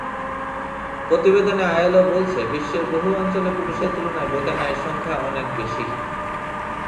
প্রতিবেদনে আইএলও বলছে, বিশ্বের বহু অঞ্চলে পুরুষের তুলনায় বেকার নারীর সংখ্যা অনেক বেশি।